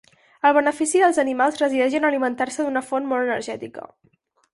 El benefici dels animals resideix en alimentar-se d'una font molt energètica.